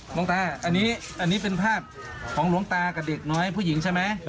หลวงตาอันนี้เป็นภาพของหลวงตากับเด็กน้อยผู้หญิงใช่ไหม